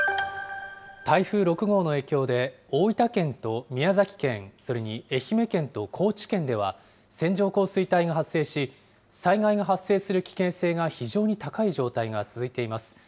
台風６号の影響で、大分県と宮崎県、それに愛媛県と高知県では、線状降水帯が発生し、災害が発生する危険性が非常に高い状態が続いています。